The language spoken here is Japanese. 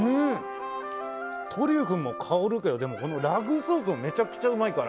トリュフも香るけどラグーソースがめちゃくちゃうまいから。